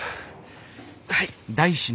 はい。